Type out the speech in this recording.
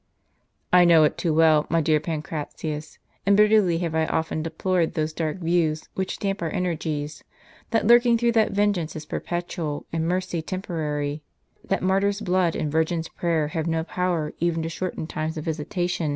" I know it too well, my dear Pancratius, and bitterly have I often deplored those dark views which damp our energies ; that lurking thought that vengeance is perpetual, and mercy temporary, that martyr's blood, and virgin's prayer have no power even to shorten times of visitation, and hasten hours of grace."